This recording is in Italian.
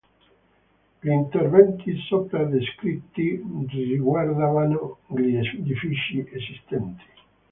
Gli interventi sopra descritti riguardavano gli edifici esistenti.